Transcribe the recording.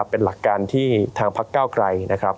เป็นหลักการที่ทางภาคเก้าไกร